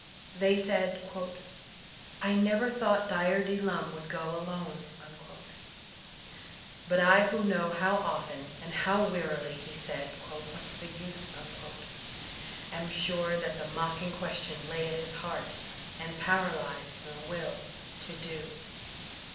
They said: ''I never thought Dyer D. Lum would go alone.*' But I who know how often and how wearily he said *'\\liat*s the use," am sure that that mocking question lay at his heart, and paralyzed the will to do.